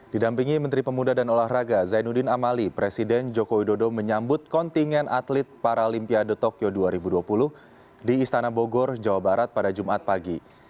didampingi menteri pemuda dan olahraga zainuddin amali presiden joko widodo menyambut kontingen atlet paralimpiade tokyo dua ribu dua puluh di istana bogor jawa barat pada jumat pagi